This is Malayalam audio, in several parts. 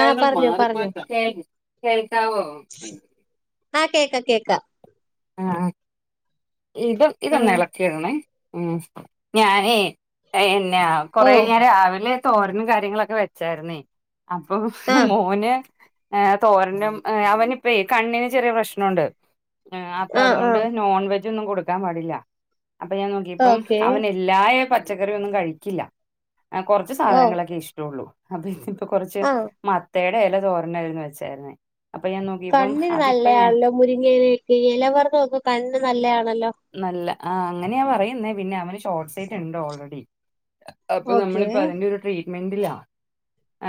ആഹ് [inaudible] പറഞ്ഞോ മാറിപ്പോ പറഞ്ഞോ കേക്കാവോ ആഹ് കേക്ക കേക്ക ആഹ് ആഹ് ഇത് ഒക്കെതന്നെ ആഹ് ഇളക്കിയടണേ ഉം ഞാനെ എ- കൊറെ ഓ കഴിഞ്ഞാ രാവിലെ തോരനും കാര്യങ്ങളൊക്കെ വെച്ചാരുന്നേ അപ്പൊ ആഹ് മോന് ഏ തോരനും അവനി ഇപ്പ കണ്ണിന് ചെറിയ പ്രശ്നുണ്ട് ആ അപ്പൊ ആഹ് അതുകൊണ്ട് ആഹ് നോൺവെജ് ഇതൊന്നും കൊടുക്കാൻ പാടില്ല അപ്പൊ ഞാൻ നോക്കിയപ്പം ഓക്കേ അവനില്ലായ പച്ചക്കറി ഒന്നും കഴിക്കില്ല കുറച്ച് ഓ സാധനങ്ങളൊക്കെ ഇഷ്ടള്ളു അതെ പ്പോ കുറച്ച് ആഹ് മത്- തേട [inaudible] യല തോരണായിന്ന് വെച്ചായിരുന്നേ അപ്പൊ ഞാൻ നോക്കിയപ്പം കണ്ണിന് അതിപ്പ ഞാൻ നല്ലയാണല്ലോ മുരിങ്ങയില ഈ ഇലവർഗ്ഗോക്കെ കണ്ണ്ന് നല്ലയാ നല്ല ആ അങ്ങനെയാ പറയുന്നേ പിന്നെ അവന് ഷോർട്ട് സൈറ്റ് ഉണ്ട് ഓൾറെഡി അപ്പൊ ഓക്കേ നമ്മളിപ്പ അതിന്റെ ഒരു ട്രീറ്റ് മെന്റില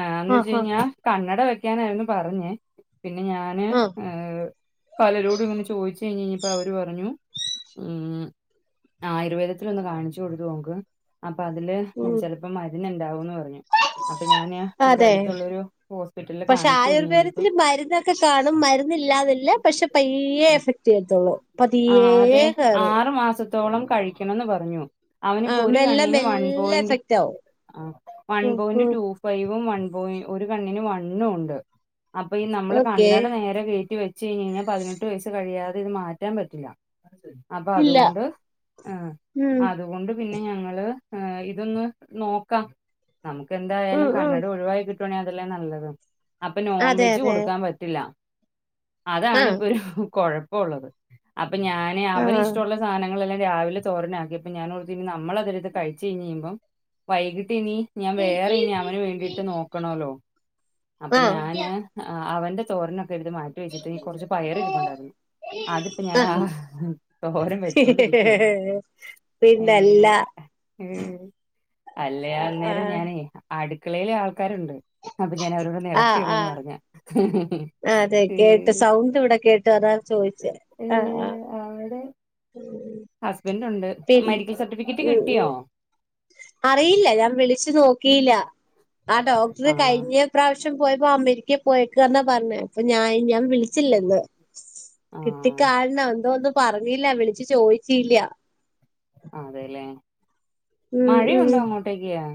ആന്ന് വെച്ച ആഹ് ആഹ് കഴിഞ്ഞാൽ കണ്ണട ക്കാനായിരുന്നു പറഞ്ഞേ പിന്നെ ഞാന് ആഹ് ഹ് പലരോടും ഇങ്ങെ ചോദിച്ചു ച കഴിഞ്ഞപ്പോ അവര് പറഞ്ഞു ഉം ആയുർവേദത്തി ഒന്ന് കാണിച്ചു കൊടുത്തു നോക്ക് അപ്പൊ അതില് ഉം ചിലപ്പോ മരന്ന് ഉണ്ടാവുന്നു അതെ ഹോസ്പിറ്റലിൽ പക്ഷെ കാണിച്ചു കഴിഞ്ഞ് കഴിഞ്ഞപ്പോ ആയുർവേദത്തില് മരുന്നൊക്കെ കാണും മരുന്ന ഇില്ലാതല്ല പക്ഷെ പയ്യേ എഫക്ട് ചെയത്തുള്ളൂതിയേ പതിയ്യേ ആറ്‌ മാസം ത്തോളം കഴിക്കണംന്ന് പറഞ്ഞു അവനിപ്പോ ആഹ് ഒരു മെല്ലെ കണ്ണന് വൺ മെല്ലെ പോയിന്റ് എഫക്റ്റ് ആവും അ വൺ ഉം പോയിന്റ് ഉം ടു ഫൈവും വൺ പൊ ഒരു കണ്ണിന് വൺ എണ്ണ ഉണ്ട് അപ്പൊ ഈ നമ്മള് ഓക്കേ കണ്ണട നേരെ കേറ്റി വെച്ച് കഴിഞ് കഴിഞ്ഞാൽ പതിനെട്ട് വയസ് കഴിയാ അത് മാറ്റാൻ പറ്റില്ല അപ്പൊ ഇല്ല അതുകൊണ്ട് ആ ഉം അതുകൊണ്ട് പിന്നെ ഞങ്ങള് ആ ഇതൊന്ന് നോക്കാം നമുക്ക് ഉം എന്തായാലും ഉം കണഡ ഒഴിവവാായി കിട്ടും ണ അതെല്ലേ നല്ലത് അപ്പൊ നോൺ അതെ വെജ് അതെ കൊടുക്കാൻ പറ്റില്ല അതാണ് ആഹ് ഇപ്പൊ ഒരു കുഴപ്പം ഉള്ളത് അ അപ്പൊ ഞാന് അവരി ആഹ് ഇഷ്ടുള്ള സാധനങ്ങളെല്ല രാവിലെ തോരനക്കി അപ്പ ഞാൻഓ നമ്മള അത്ത് കഴി കഴഞ്ഴുമ്പോ വൈകട്ട് ഇ ഞാൻ വേറെ ഇനി അവന് വേണ്ടിട്ട് നോക്കണല്ലോ അപ്പൊ ആഹ് ഞാന് അവന്റെ തോറന രുത് മാറ്റി വെച്ചിട്ട്നി കുറച്ച് പയർ ഇരിപ്പുണ്ടായിരുന്നു അതിപ്പ ഞാൻ ആ ആഹ് ത്തോരം വച്ചോണ്ടിരിക്കുവരുന്നു ഏ പിന്നല്ല അല്ല അ അന്നേരം ആഹ് ഞാന അടുക്കളയിലെ ആൾക്കാരുണ്ട് അപ്പൊ ഞാൻ അവരോട് ഇളക്കള്ളന്ന് പറഞ്ഞ ആ അതെ കേട്ട് ഏഹ് സൗണ്ട് ഇവിടെ കേട്ട് അതാണ് ചോദിച്ചേ ആ് ആ അടെ ഉം അ ന്റ് ഉണ്ട് മെഡിക്കൽ സർട്ടിഫിക്കറ്റ് ഉം കിട്ടിയോ ഉം അറിയില്ല ഞാൻ വിളിച്ചു നോക്കിയില്ല ആ ഡോക്ടർ ആഹ് കഴിഞ്ഞ പ്രാവശ്യം പോയപ്പോ അമേരിക്കയെ പോയേക്ക എന്നാ പറഞ്ഞേ അപ്പോ ഞാൻ ഞാൻ വിളിച്ചില്ല ഇന്ന് ആഹ് കിട്ടിക്കാരണം എന്തോ ഒന്നും പറഞ്ഞില്ല വിളിച്ച ചോദിച്ചില്ല അതെല്ലേ ഉം ഉം മഴയുണ്ടോ അങ്ങോട്ടേക്കാ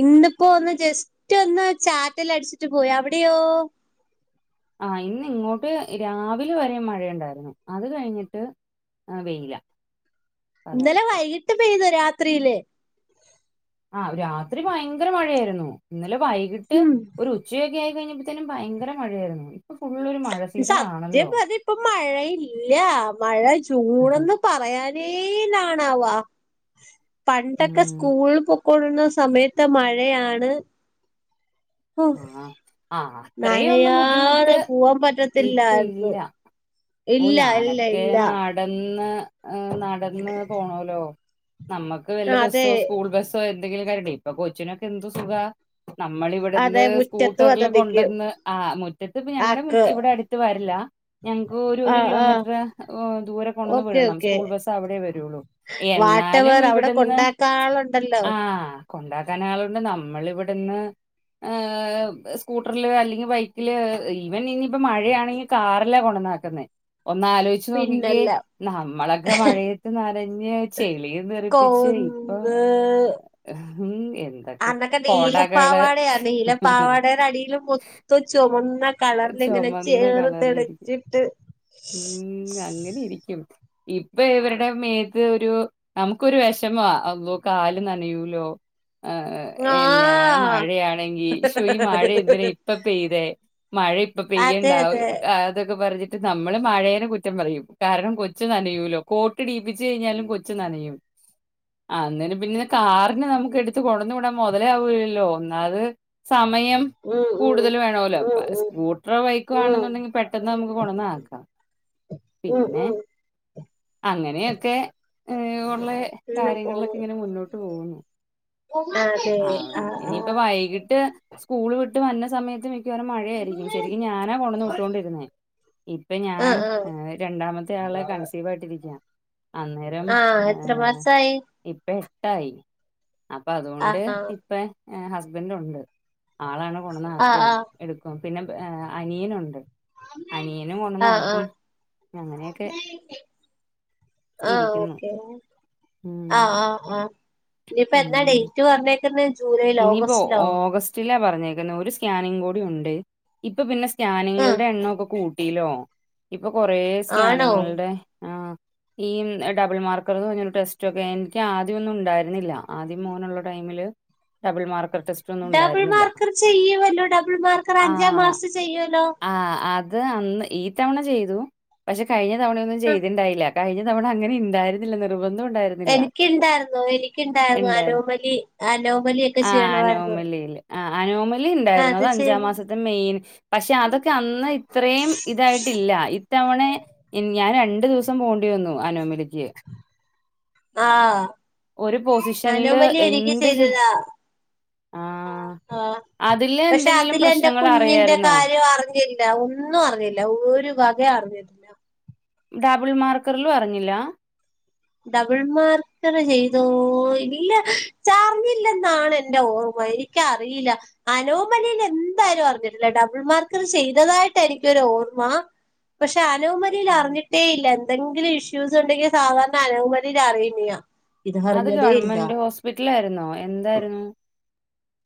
ഇന്നിപ്പോ ഒന്ന് ജസ്റ്റ് ഒന്ന് ചാറ്റൽ അടിച്ചിട്ട് പോയി അവിടെയോ ആ ഇന്ന് ഇങ്ങോട്ട് രാവിലെ വരെ മഴയുണ്ടായിരുന്നു അത് കഴിഞ്ഞിട്ട് വെയില ഇന്നലെ കാലാവസ്ഥ വൈകിട്ട് പെയ്ത രാത്രിയിലേ ആഹ രാത്രി ഭയങ്കര മഴയായിരുന്നു ഇന്നലെ വൈകിട്ട് ഉം ഒരു ഉച്ചയ ആയി കഴിഞ്ഞപ്പോ തന്നെ ഭയങ്കര മഴയായിരുന്നു ഇപ്പൊ ഫുള്ളൊരു മഴ സീസൺ ആണല്ലോ സത്യംപതി ഇപ്പൊ മഴയില്ല മഴ ആഹാ. ചൂടന്ന് പറയാൻ നീനാണാവ പണ്ടൊക്കെ ഉം സ്കൂൾ കൊള്ളുന്ന സമയത്ത് മഴയാണ് ഹോ ആഹ് ആഹ് അത്രയൊന്നും ബുദ്ധിമുട്ട് നനയാതെ പോവാൻ ഇപ്പ പറ്റത്തില്ലായിരുന്നു ഇല്ല ഓ ഇല്ല ഇല്ല ഞാനൊക്കെ ഇല്ല നടന് ഇന്ന് ഏ നടന്ന് പോണല്ലോ നമ്മുക്ക് വല്ല അതെ ബസ്സോ സ്കൂൾ ബസ്സോ എന്തങ്കിലും കയണ്ടേ ഇപ്പൊ കൊച്ചിനൊക്കെ എന്ത്‌ സുഖാ നമ്മൾ അതെ ഇവിടെന്ന് മുറ്റത്തും അതെ സ്കൂട്ടറിൽ നിക്കും കൊണ്ടുവന്ന് ആ മുറ്റത്ത് ഇപ്പ ഞങ്ങളുടെ ആക്ക് ഇവിടെ അടുത്ത് വരില്ല ഞ ഒരു ഒരു ആഹ് ആഹ് കിലോമീറ്റർ ദൂരെ കൊണ്ടന്ന് ഓക്കെ വിടണം ഓക്കെ സ്കൂൾ ബസ് അവിടെ വരുള്ളു എന്നാലും വാട്ടവർ അവിടെ ഇവിടുന്ന് കൊണ്ടാക്കാളുണ്ടല്ലോ ആഹ കൊണ്ടാക്കാൻ ആളുകൊണ്ട് നമ്മൾ ഇവിടുന്ന് സ്കൂട്ടറില് അല്ലെങ്കിൽ ബൈക്കില് ഈവൻ ഇനിയിപ്പോ മഴയാണെങ്കിൽ കാറിലാ കൊണ്ടാക്ക തന്നെ ഒന്നാലോചിച്ച് നോക്കിക്കെ പിന്നല്ല നമ്മളൊക്കെ മഴയത്ത് നനഞ്ഞ് ചെളിയ നിറിപ്പിച്ച് ഇപ്പൊ കൊന്ന് ഉം എന്തൊക്കെ അന്നൊക്കെ കൊടകള് നീലപ്പാവാടയാ നീലപ്പാവാടയുടെ അടിയിലും മുത്ത ചോവന്ന കളറിലിങ്ങനെ ചുമന്ന ചേറ് കളറിലിരിക്കും തെളിച്ചിട്ട് ഉം അങ്ങനെ ഇരിക്കും ഇപ്പൊ ഇവരുടെ മേത്ത് ഒരു നമുക്കൊരു വിഷമ അപ്പോ കാല് നനയൂലോ ആ എന്നെ ആഹ് മഴയാണെങ്കി ശോ ഈ മഴ എന്തിനാ ഇപ്പ പെയ്തേ മഴ ഇപ്പ അതെ അതെ പെയ്യണ്ടാകും പറഞ്ഞിട്ട് നമ്മള് മഴേനെ കുറ്റം പറയും കാരണം കൊച്ചു നനയൂലോ കോട്ട് ഇടീപ്പിച്ചു കഴിഞ്ഞാലും കൊച്ചു നനയും അന്നന് പിന്നെ കാറിന് നമുക്ക് എടുത്ത് കൊണ്ടന്നു വിടാൻ മുതല് ആവൂല്ലല്ലോ ഒന്നാത് സമയം ഉം ഉം കൂടുതൽ വേണമലോ ഉം സ്കൂട്ടറോ ബൈക്കോ ഉം ആണെന്നുണ്ടെങ്കിൽ പെട്ടെന്ന് നമുക്ക് കൊണ്ടന്നാക്കാം ഉം ഉം പിന്നെ ഉം അങ്ങനെയൊക്കെ ഏഹ് അങ്ങനെ പോണു കാര്യങ്ങളിലൊക്കെ ഇങ്ങനെ മുന്നോട്ട് പോകുന്നു അതെ ആഹ് ഇനിയിപ്പ ആഹ് വൈകിട്ട് സ്കൂൾ വിട്ട് വന്ന സമയത്ത് മിക്കവാറും മഴയായിരിക്കും ശരിക്കും ഞാനാ കൊണ്ട്ന്ന് വിട്ടോണ്ടിരുന്നേ ഇപ്പൊ ഞാൻ ആഹ് ആഹ് രണ്ടാമത്തെ മറ്റേ ആളെ കൺസീവ് ആയിട്ടിരിക്കാ അന്നേരം ആഹ് എത്ര ഏഹ് മാസായി ഇപ്പ എട്ടായി അപ്പൊ അതുകൊണ്ട് ആഹാ ഇപ്പ ഹസ്ബൻഡ് ഉണ്ട് ആളാണ് ആഹ് കൊണ്ടന്നാക്കും ആഹ് പിന്നെ അനിയനുണ്ട് അനിയനും ആഹ് കൊണ്ട്ന്നാക്കും ആഹ് അങ്ങനെയൊക്കെ ആഹ് ഇരിക്കുന്നു ഓക്കെ ഉം ആഹ് ആഹ് ആഹ് ഇനിയിപ്പ എന്നാ ഉം ഡേറ്റ് പറഞ്ഞേക്കുന്നെ ജൂലൈയിലോ ഇനിയിപ്പോ ഓഗസ്റ്റിലോ ഓഗസ്റ്റിലാ പറ പർഞ്ഞേക്കുന്നെ ഒരു സ്കാനിങ് കൂടി ഉണ്ട്. ഇപ്പൊ പിന്നെ സ് ആഹ് സ്കാനിംഗൾടെ എണ്ണോക്കെ കൂ ട്ടീലോ ഇപ് പ്പൊ കൊറേ ആണോ സ്കാനിംഗൾടെ ആഹ് ഈമ് എ ഡബിൾ മാർക്കർ പഞ്ഞൊരു ടെസ്റ്റ് ഒക്കെ എൻക്ക് ആദ്യം ഒന്നും ണ്ടായിര്ന്നില്ല. ആദ്യം മോനുള്ള ടൈമില് ഡബിൾ മാർ ഡബിൾ മാർക്കർ ചെയ്യുവല്ലോ ഡബിൾ മാർക്കർ അഞ്ചാം മാസി ചെയ്യുഅല്ലോ ത് അന്ന് ഈ തവണ ചെയ്തു. പക്ഷെ കഴിഞ്ഞ തവണ ഒന്നും ആ ചെയ്തിണ്ടായില്ല. കഴിഞ്ഞ തവണ അങ്ങനെ ണ്ടായിരുന്നില്ല. നിർബന്ധോ എനിക് ണ്ടായിരുന്നു എനിക്ണ്ടായിരുന്നു ഇണ്ടായിരു അനോമലി അനോ ഓമലിയൊക്കെ ചെയ്യണമായിരുന്നു ആഹ് അനോമ ആ ലിണ്ടായിരുന്നു. അത് അഹ് അഞ്ചാം ചെയ്ത് മാസത്തെ മെയിൻ പക്ഷെ അതൊക്കെ അന്ന് ഇത്രയും ഇതായിട്ടില്ല. ഇത്തവണെ ഇൻ ഞൻ രൺ ണ്ട് ദിവ്സം പോണ്ടി വന്നു അനോമലിക്ക് ആഹ് ഒരു പൊസിഷനില് അനോമലി എനിക്ക് എന്ത് ചെ ചെയ്തതാ ആ. ആഹ് ആഹ് അതില് പക്ഷെ എന്തെങ്കിലും അതിലെന്റെ പ്രശ്നങ്ങൾ കുഞ്ഞിന്റെ അറിയായിരുന്നോ? കാര്യം അറിഞ്ഞില്ല. ഒന്നും അറിഞ്ഞില്ല. ഒരു വകേ അറിഞ്ഞി [inaudible] ഡബിൾ മാർക്കറിലും അറിഞ്ഞില്ല ഡബിൾ മാർക്കർ ചെയ്തോ ഇല്ല ചറിഞ്ഞില്ലെന്നാണ് എന്റെ ഓർമ്മ എനിക്കറിയില്ല അനോമലിൽ എന്തായാലും അറിഞ്ഞിട്ടില്ല ഡബിൾ മാർക്കർ ചെയ്തതായിട്ട് എനിക്കൊരു ഓർമ്മ പക്ഷെ അനോമിലിയിൽ ആ. അറിഞ്ഞിട്ടേ ഇല്ല എന്തെങ്കിലും ഇഷ്യൂസ് ഉണ്ടെങ്കി സാധാരണ അനോമലിയില് അറിയിന്നയ അത് ഗവൺമെന്റ് ഹോസ്പിറ്റലാരുന്നോ എന്തായിരുന്നു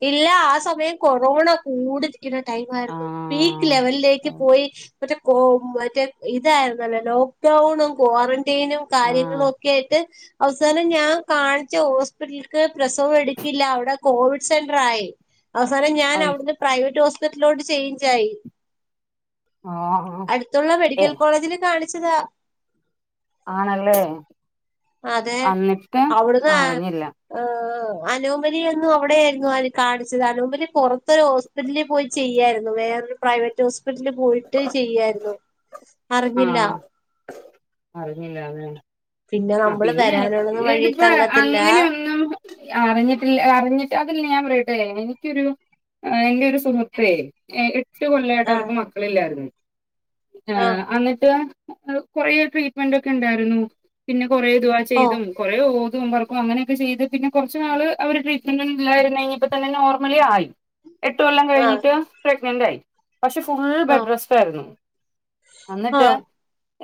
ഇല്ല ആഹ് സമയം കൊറോണ കൂടു നിക്കുന്ന ടൈം ആയിരുന്നു പീക്ക് ആഹ് ലെവലിലേക്ക് പോയി മറ്റേ കോ മറ്റേ ഇതായിരുന്നല്ലോ ലോക്ക്ഡൗണും ക്വാറന്റൈനും ആഹ് കാര്യങ്ങളും ഒക്കെ ആയിട്ട് അവസാനം ഞാൻ കാണിച്ച ഹോസ്പിറ്റല്ക്ക് പ്രസവം എടുക്കില്ല അവിടെ കോവിഡ് സെൻ്ററായി അവസാനം ഞാൻ അയ് അവിടുന്ന് പ്രൈവറ്റ് ഹോ റ്റിലോട്ട് ചെയ്ഞ്ചായി ആഹ് അട്ത്തുള്ള ഏ മെഡിക്കൽ കോളേജിൽ കാണി ച്ചതാ ആണല്ലേ അതെ അന്നിട്ട് അവിട്ന്നാ അറിഞ്ഞില്ല ഹ് അനോമലി എന്നും അവിടെയായിരുന്നു ആദ്യം കാണിച്ചത് അനോമല് പോറത്ത് ഹോസ്പിറ്റലിൽ പോയി ചെയ്യായിരുന്നു വേറൊരു പ്രൈവറ്റ് ഹോസ്പിറ്റലില് പോയിട്ട് ചെയ്യായിരുന്നു അറിഞ്ഞില്ല ആഹ് അറിഞ്ഞില്ല അതെന്നെ പിന്നെ ആ നമ്മള് പിന്നെ വരാനുള്ളത് വഴി ഇല് പ്പോ തങ്ങത്തില്ല അങ്ങനെന്നും അറിഞ്ഞിട്ടില്ല അറിഞ്ഞിട്ട് അതിൽ ഞാൻ അതെ എനിക്കോരു എന്റെ ഒരു സുഹൃത്തേ ട്ടു കൊല്ലായിട്ട് ആഹ് അവർക്ക് മക്കളില്ലായിരുന്നു ആ ആഹ് അന്ന്ട്ട് കൊറെ ട്രീറ്റ്മെന്റ് ഒക്കെ ഉണ്ടായിരുന്നു പിന്നെ കൊറേ ദുആ ഓ ചെയ്തും കൊറേ ഓ ക്കും പെറക്കും അങ്ങനെയൊക്കെ ചെയ്ത് പിന്നെ കുറച്ച്നാള് അവ ട്രീറ്റ്മെൻ്റിലായിരുന്നു ഇനിയിപ്പ തന്ന നോർ മലായി എട്ട് കൊല്ലം ആഹ് കഴിഞ്ഞിട്ട് പ്ര ഗ്നൻ്റായ് പക്ഷെ ഫുൾ ആഹ് ബെഡ്റെസ്റ്റ് ആരുന്നു അന്നിട്ട് ആഹ്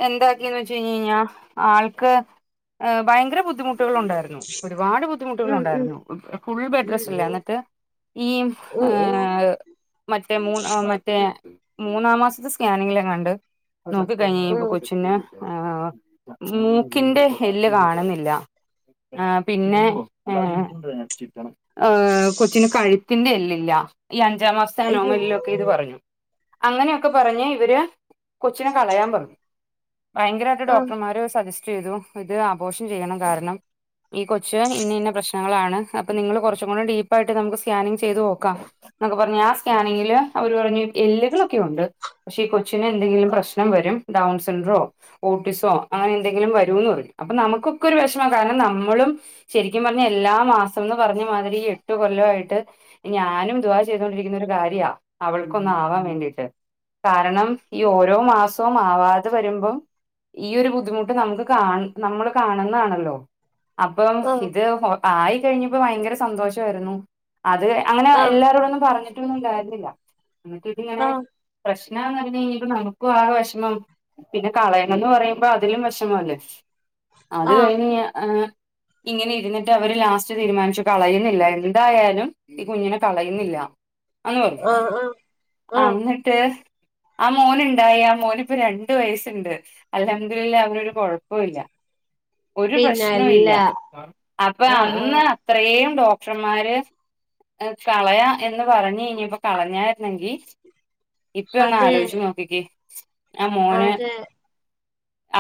എന്താക്കിയെന്ന് വെച്ച് കഴിഞ്ഞ് കഴിഞ്ഞാ ആൾക്ക് ആ ഭയങ്കര ബുദ്ധി ബുദ്ധിമുട്ടുകളൊണ്ടാരുന്നു ഒരുപാട് ഉം ഉം ബുദ്ധിമുട്ടുകളൊണ്ടാരുന്നു ഫുൾ ഉം ബെഡ്ഡ്റെസ്റ്റല്ലേ എന്നിട്ട് ഈ ഉം ഉം ഉം മറ്റേ മൂന്ന് മറ്റേ മൂന്നാം മാസത്തെ സ്ക എങ്കിലുംകണ്ട് നോക്കി കഴിഞ്ഞ് കഴിഞ്ഞപ്പൊ ഉം കൊച്ചിന് ആ മൂക്കിന്റെ എല്ല് കാണുന്നില്ല ആ പിന്നെ ഉം ആ കൊച്ചിന് കഴുത്തിന്റെ എല്ല് ല്ല ഈ അൻച് ജാമാസ്തെ അയ്യോ നോങ്ങൽലൊക്കെ ഇത് പറഞ്ഞു അങ്ങനെ ഒക്കെ പറഞ്ഞ് ഇവര് കൊച്ചിനെ കളയാൻ പറഞ്ഞു ഭയങ്കരായ്ട്ട് ആഹ് ഡോക്ടർമാര് സജസ് ചെയ്തു ഇത് അബോഷൻ ചെയ്യണം കാരണം ഈ കൊച്ച് ഇന്ന ഇന്ന പ്രശ്നങ്ങളാണ് അപ്പൊ നിങ്ങള് കുറച്ചുംകൂടെ ഡീപ്പായിട്ട് നമുക്ക് സ്കാനിങ് ചെയ്ത് നോക്കാം എന്നൊക്കെ പറഞ്ഞ്ആ സ്കാനിങ്ങില് അവര് പറഞ്ഞു എല്ലുകളൊക്കെ ഉണ്ട് പക്ഷെ ഈ കൊച്ചിന് എന്തെങ്കിലും പ്രശ്നം വരും ഡൗൺ സെൻട്രോ ഓട്ടിസോ അങ്ങനെ എന്തെങ്കിലും വരുംന്ന് പറഞ്ഞു അപ്പൊ നമുക്കൊക്കെ ഒരു വെശമാ കാരണം നമ്മളും ശെരിക്കും പറഞ്ഞാ എല്ലാ മാസംന്ന് പറഞ്ഞ് മാതിരി ഈ എട്ട് കൊല്ലവായിട്ട് ഞാനും ദുവ്അ ചെയ്തുകൊണ്ടിരിക്കുന്നൊരു കാര്യാ അവൾക്കൊന്നാകാൻ വേണ്ടീട്ട് കാരണം ഈ ഓരോ മാസവും ആവാത് ത്ത് വരുമ്പോ ഈ ഒരു ബുദ്ധിമുട്ട് നമുക്ക് കാൺ നമ്മള് കാണുന്നാണല്ലോ അപ്പം ആഹ് ഇത് ഓ ആയി കഴിഞ്ഞപ്പോ ഭയങ്കര സന്തോഷായ്രുന്നു അത് അങ്ങനെ ആഹ് എല്ലാരോടൊന്നും പറഞ്ഞിൽ ട്ടുംന്നുംണ്ടാരുന്നില്ല എന്ന്ട്ടിട്ടീയണേ ആഹ് പ്രശ്നാന്ന്പറഞ്ഞ്കഴിഞ്ഞപ്പം നമുക്കും ആ വെഷമം പിന്നെ കളയണംന്ന് പറയുമ്പോ അതിലും വെഷമല്ലേ അത് ആഹ് കഴിഞ്ഞ് ആ ഇങ്ങനെ ഇരുന്നിട്ട് അവര് ലാസ്റ്റ് തീരുമാനിച്ചു കളയുന്നില്ല എന്തായാലും ഈ കുഞ്ഞിനെ കളയുന്നില്ല അന്നുപറഞ് ആഹ് ആഹ് ആഹ് അന്നി ട്ട് ആമോനുണ്ടായി ആ മോനിപ്പൊ രണ്ട് വയസ്സിണ്ട് അൽഹംദുലിൽല അവനൊരു കൊഴപ്പോഇല്ല ഒരു പ്രശ്നോ പിന്നല്ല ഇല്ല അപ്പൊ ആഹ് അന്ന് ആഹ് അത്രേം ഡോ ക്ടർമാര് കളയാ എന്ന് പറഞ്ഞ്കയ്ഞ്ഞപ്പം കളഞ്ഞാരുന്നെങ്കി ഇപ്പെ ഒന്ന് അതെ ആലോചിച്ച് നോക്കിക്കേ [unintelligible] ഞ മോന് അതെ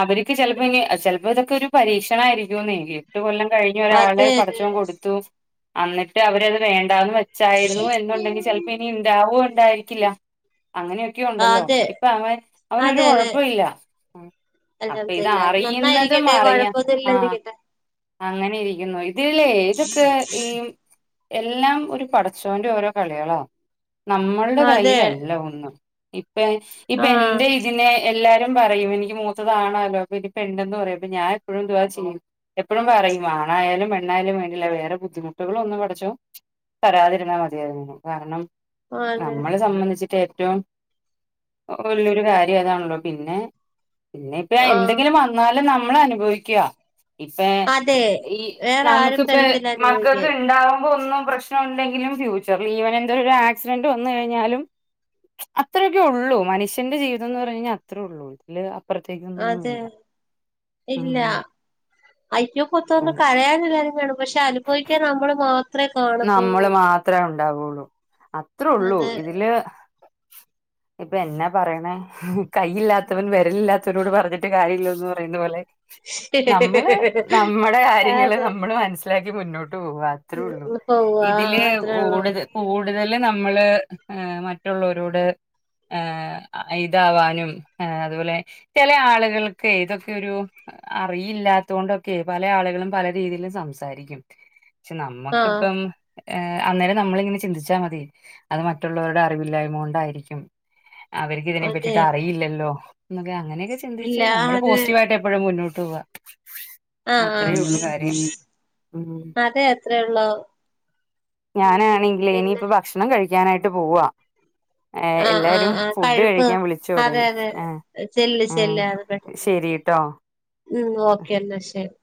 അവർക്ക് ചെലപ്പോ ഇ ചിലപ്പോ ഇതൊക്കെ ഒരു പരീക്ഷണ ആരിക്കുമെന്നെ എട്ട് കൊല്ലം കഴിഞ്ഞു ഒരാളെ അതെ പടചൊൻ അതെ കൊടുത്തു അന്നിട്ട് അവരത് വേണ്ട- ണ്ടാന്ന് വെച്ചായിരുന്നു എന്നുണ്ടെങ്കിൽ ചിലപ്പോ ഇനി ഇണ്ടാവോ ണ്ടായിരിക്കില്ല അങ്ങനെയൊക്കെ ഉ ണ്ടല്ലോ അതെ ഇപ്പൊ അവൻ അവനൊരു അതെ അതെ കൊഴപ്പയില്ല അപ്പൊ ഇത് അൽഹംദുലില്ലാ അറിയുന്നതും നന്നായിരിക്കട്ടെ അറിയാം ആഹ് കൊഴപ്പൊന്നുല്ലാതിരിക്കട്ടെ അങ്ങനെ ഇരിക്കുന്നു ഇതീലേ ഇതൊക്കെ ഈ എല്ലാം ഒരു പടച്ചോന്റെ ഓരോ കളികളാ നമ്മളുടെ അതെ കയ്യിലാ ഇപ്പ് ഇപ്പൊ ആഹ് എന്റെ ഇതിനെ എല്ലാരും പറയും എനിക്ക് മൂത്തതാണാലോ അപ്പ ഇനി പെണ്ണെന്ന് പറയായും ഇപ്പ ഞാൻ എപ്പോഴും ദുവാ ചെയ്യും എപ്പോഴും പറയും ആണായാലും പെണ്ണായാലും വേണ്ടില്ല വേറെ ബുദ്ധിമുട്ടുകളും ഒന്നും പഠച്ചോ തരാതിരുന്നാ മതിയരുന്നു കാരണം അതെ നമ്മളെ സംബന്ധിച്ചി റ്റേറ്റവും ഒരേ ഒരു കാര്യം അതാണല്ലോ പിന്നെ പിന്നെ ഇപ്പ ആഹ് എന്തെങ്കിലും വന്നാലും ന നമ്മള അനുഭവിക്ക്യ ഇപ്പ അതെ ഈ വേറെ ആരും നമുക്കിപ്പ തരത്തില്ല നോയിക്ക് മക്കക്ക് ഇണ്ടാവും ഒന്നും പ്രശ്നം ഉണ്ടെങ്കിലും ഫ്യൂച്ചറിൽ ഈവൻ എന്ത ഒരു ആക്സിഡന്റ് വന്നു കഴിഞ്ഞാലും അത്രയൊക്കെ ഉള്ളൂ മനുഷ്യന്റെ ജീവിതം ന്ന് പറഞ്ഞ അത്രേ ഉള്ളൂ തില് അതെ ഉം ഇല്ല ഉം. അയ്യോ പൊത്തൊന്നും അതെ കരയാനല്ലാരും കാണും പക്ഷെ അനുഭവിക്കാൻ നമ്മള് മാ [unintelligible] നമ്മള് മാത്രാവും ഉണ്ടാവൊള്ളൂ അത്രേ ഉള്ളൂ അതെ ഇതില് ഇപ്പൊ എന്നാ പറയ്ണേ കൈയില്ലാത്തവൻ വെരലില്ലാത്തവനോട് പറഞ്ഞിട്ട് കാര്യം ഇില്ലന്ന് പറയുന്ന പോലെ നമ്മള് നമ്മടെ കാര്യങ്ങള് അതെ നമ്മള് മനസ്സിലാ ക്കി മുന്നോ ട്ട് പോവാ അത്ര ഉള്ളൂ ഉം പോവാ ഇതില് അത്രേള്ളൂ ഊടു കൂടുതൽ നമ്മള് മറ്റുള്ളോരോട് ഏ ഇതാവാനുംഏ അതുപോലെ ചെലെ ആളുകൾക്കെയ് ഇതൊക്കെ ഒരു അറിയില്ലാത്തൊണ്ടൊക്കെ പല ആളുകളും പല രീതിയിലും സംസാരിക്കും പക്ഷേ നമ്മക്ക് ആഹ് ഏ അന്നേരം നമ്മളിങ്ങനെ ചിന്തിച്ചാ മതി അത് മറ്റുള്ളവരുടെ അറിവില്ലായ്മ കൊണ്ടായിരിക്കും അവർക്ക് ഇതിനെ അതെ പറ്റിട്ട് അറിയില്ലല്ലോ എന്ന അങ്ങനെയക്കെ ഇല്ല ചിന്തിച്ച് നമ്മള് അതെ പോസിറ്റീവായിട്ട് എപ്പഴും മുന്നോ [unintelligible] ആഹ് ആഹ് അതെ അത്രേ ഉള്ളൂ ഞാനാണെങ്കിലെ പിന്നെ ഇനിയിപ്പ ഭക്ഷണം കഴി ക്കാനായിട്ട് പോവാ ഏഹ് ആഹ് എല്ലാരും ആഹ് ആ ഫുഡ് കഴിപ്പ് കഴിക്കാൻ വിളിച്ചു അതെ തൊടങ്ങി അതെ ഏഹ് ചെല്ല ഏഹ് ചെല്ല് അത് പെട്ടന്ന് ശരിട്ടോ ഉം ഓക്കെ ന്നാ ശരി